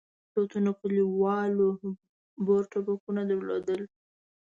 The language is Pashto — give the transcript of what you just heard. څو تنو کلیوالو بور ټوپکونه درلودل.